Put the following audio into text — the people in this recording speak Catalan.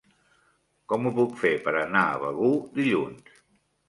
Com ho puc fer per anar a Begur dilluns?